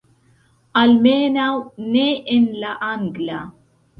Almenaŭ ne en la angla